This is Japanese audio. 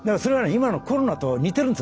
今のコロナと似てるんです。